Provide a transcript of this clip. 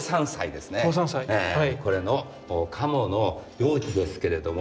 これの鴨の容器ですけれども。